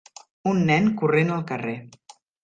un nen corrent al carrer.